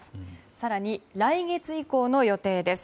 更に、来月以降の予定です。